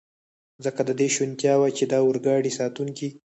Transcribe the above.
ځکه د دې شونتیا وه، چې د اورګاډي ساتونکي.